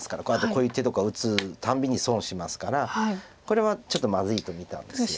こういう手とか打つたびに損しますからこれはちょっとまずいと見たんですよね。